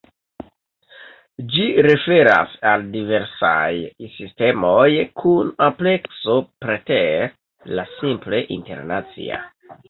Ĝi referas al diversaj sistemoj kun amplekso preter la simple internacia.